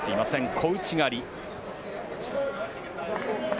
小内刈り。